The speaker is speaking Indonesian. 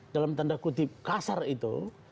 dalam tanda kutip kasar itu